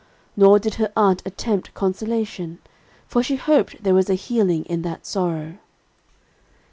Nor did her aunt attempt consolation; for she hoped there was a healing in that sorrow.